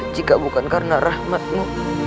jika bukan karena rahmatmu